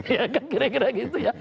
ya kan kira kira gitu ya